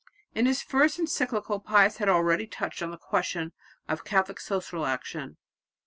In his first encyclical Pius had already touched on the question of Catholic social action.